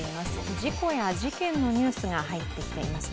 事故や事件のニュースが入ってきていますね。